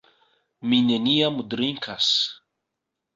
Mi neniam drinkas.